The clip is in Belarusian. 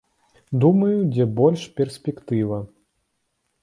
Думаю, дзе больш перспектыва.